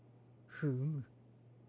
フム。